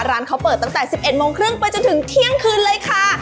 ร้านเขาเปิดตั้งแต่๑๑โมงครึ่งไปจนถึงเที่ยงคืนเลยค่ะ